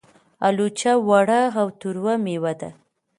الوچه وړه او تروه مېوه ده.